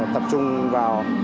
tập trung vào